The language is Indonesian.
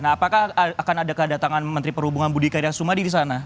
nah apakah akan ada kedatangan menteri perhubungan budi karyasuma di sana